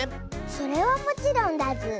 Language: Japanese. それはもちろんだズー！